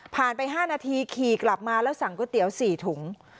ไป๕นาทีขี่กลับมาแล้วสั่งก๋วยเตี๋ยว๔ถุง